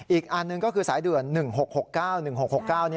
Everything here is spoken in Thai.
อีกอันหนึ่งก็คือสายด่วน๑๖๖๙๑๖๖๙